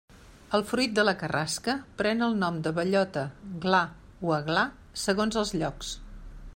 El fruit de la carrasca pren el nom de bellota, gla o aglà, segons els llocs.